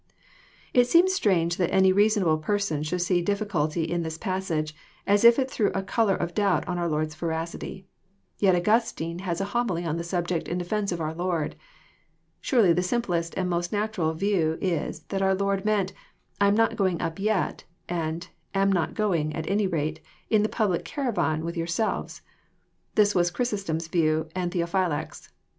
It seems strange that any reasonable person should see dif ficulty in this passage, as if it threw a colour of doubt on our Lord's veracity. Yet Augustine has a Homily on the subject in defence of our Lord. Surely the simplest and most natural • view is, that our Lord meant, I am not going up yet; " and '* am not going, at any rate. In the public caravan with your selves." This is Chrysostom*s view and Theophylact's.